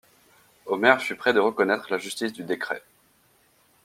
Omer fut près de reconnaître la justice du décret.